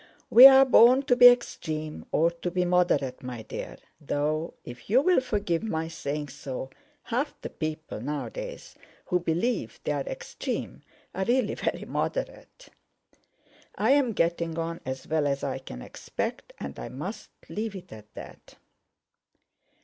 We are born to be extreme or to be moderate, my dear; though, if you'll forgive my saying so, half the people nowadays who believe they're extreme are really very moderate. I'm getting on as well as I can expect, and I must leave it at that."